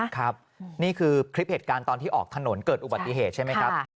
ครับนี่คือคลิปเหตุการณ์ตอนที่ออกถนนเกิดอุบัติเหตุใช่ไหมครับ